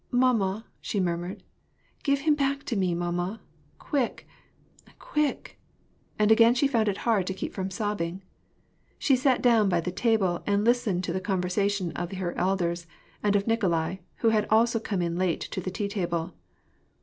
" Mamma !" she murmured. " Give him back to me, mamma, quick, quick !" and again she found it hard to keep from sobbing. She sat down by the table, and listened to the conversation of her elders, and of Nikolai, who had also come in late to the tea table.